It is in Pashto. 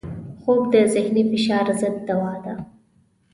خوب د ذهني فشار ضد دوا ده